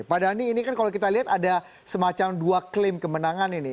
pak dhani ini kan kalau kita lihat ada semacam dua klaim kemenangan ini